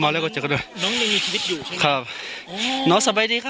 ตอนนั้นน้องหูตอนนั้นน้องหูน้องอ่อนเพียอะไรไหมฮะ